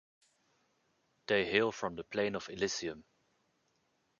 They hail from the plane of Elysium.